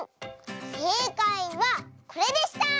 ⁉せいかいはこれでした！